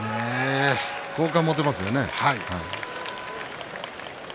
好感が持てますよね。